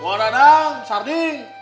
mau ada dong sarding